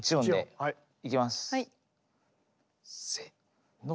はい。